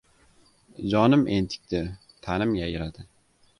Jonim entikdi, tanim yayradi!